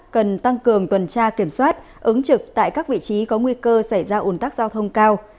cần tăng cường tuần tra kiểm soát ứng trực tại các vị trí có nguy cơ xảy ra ủn tắc giao thông cao